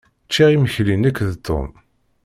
Ččiɣ imekli nekk d Tom.